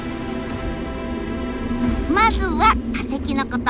まずは化石のこと。